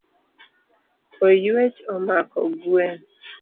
Oyuech omako gwen.